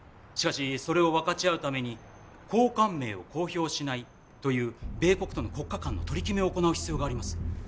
しかしそれを分かち合うために「高官名を公表しない」という米国との国家間の取り決めを行う必要があります。